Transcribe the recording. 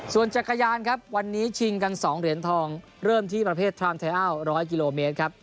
ส่วนจักรยานครับวันนี้ชิงกัน๒เหรียญทองเริ่มที่ประเภททรามไทยอัล๑๐๐กิโลเมตรครับ